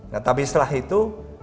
nah tapi setelah itu